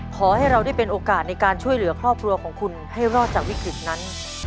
ขอให้เราได้เป็นโอกาสในการช่วยเหลือครอบครัวของคุณให้รอดจากวิกฤตนั้น